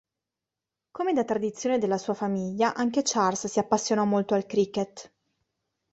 Come da tradizione della sua famiglia, anche Charles si appassionò molto al cricket.